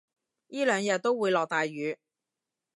依兩日都會落大雨